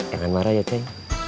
enggak marah ya ceng